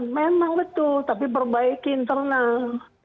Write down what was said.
memang betul tapi perbaiki internal